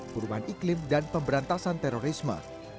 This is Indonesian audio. perubahan iklim dan pemberantasan terorisme